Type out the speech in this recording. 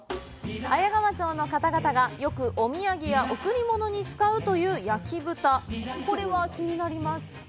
綾川町の方々がよくお土産や贈り物に使うという焼き豚コレは気になります